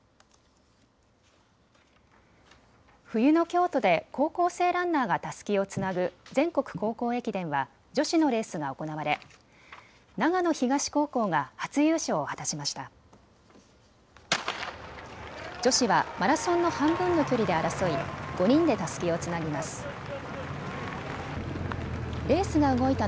冬の京都で高校生ランナーがたすきをつなぐ全国高校駅伝は女子のレースが行われ長野東高校が初優勝を果たしました。